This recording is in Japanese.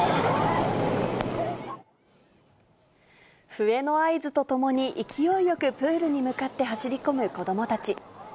笛の合図とともに、勢いよくプールに向かって走り込む子どもたち。